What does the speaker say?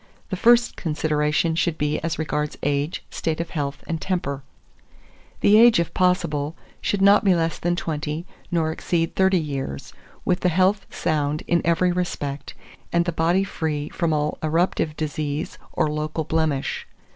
The first consideration should be as regards age, state of health, and temper. 2439. The age, if possible, should not be less than twenty nor exceed thirty years, with the health sound in every respect, and the body free from all eruptive disease or local blemish.